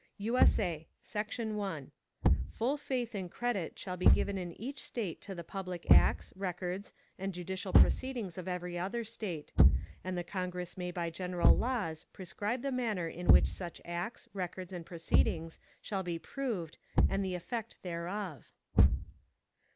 [USA] Section 1. Full Faith and Credit shall be given in each State to the public Acts, Records, and judicial Proceedings of every other State. And the Congress may by general Laws prescribe the Manner in which such Acts, Records and Proceedings shall be proved, and the Effect thereof.